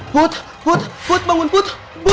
put put put bangun put